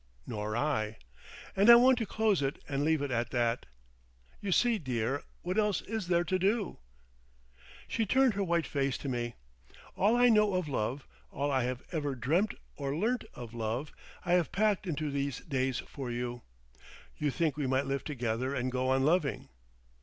"Nor I." "And I want to close it and leave it at that. You see, dear, what else is there to do?" She turned her white face to me. "All I know of love, all I have ever dreamt or learnt of love I have packed into these days for you. You think we might live together and go on loving.